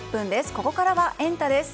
ここからはエンタ！です。